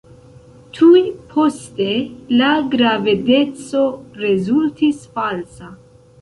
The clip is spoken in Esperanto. Tuj poste, la gravedeco rezultis falsa.